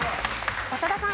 長田さん。